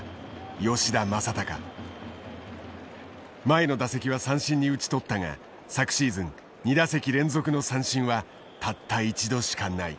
前の打席は三振に打ち取ったが昨シーズン２打席連続の三振はたった一度しかない。